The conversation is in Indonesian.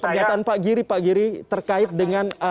pernyataan pak giri pak giri terkait dengan